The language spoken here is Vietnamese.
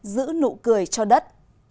giữ nụ cười cho đất